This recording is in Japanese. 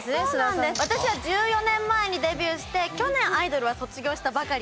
私は１４年前にデビューして去年アイドルは卒業したばかり。